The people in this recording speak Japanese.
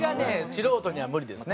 素人には無理ですね。